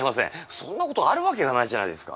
そんなことあるわけがないじゃないですか。